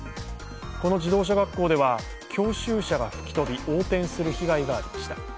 この自動車学校では教習車が吹き飛び、横転する被害がありました。